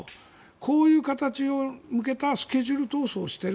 こういう形を受けたスケジュール闘争をしている。